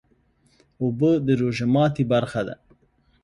اوبه د روژې ماتی برخه ده